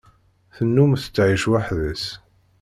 Tennum tettεic weḥd-s.